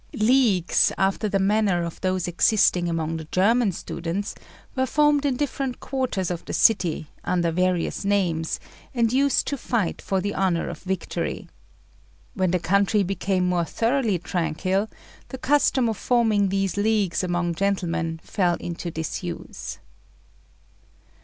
Leagues after the manner of those existing among the German students were formed in different quarters of the city, under various names, and used to fight for the honour of victory. When the country became more thoroughly tranquil, the custom of forming these leagues amongst gentlemen fell into disuse.